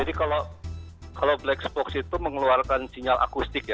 jadi kalau black spock itu mengeluarkan sinyal akustik ya